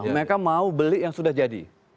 mereka mau beli yang sudah jadi